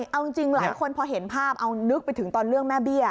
เอาจริงหลายคนพอเห็นภาพเอานึกไปถึงตอนเรื่องแม่เบี้ย